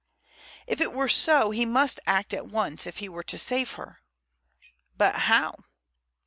If it were so he must act at once if he were to save her. But how?